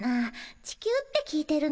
地球って聞いてるのに。